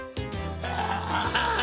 アハハハ